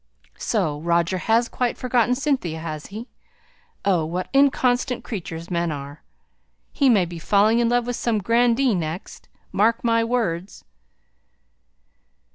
So Roger has quite forgotten Cynthia, has he? Oh! what inconstant creatures men are! He will be falling in love with some grandee next, mark my words!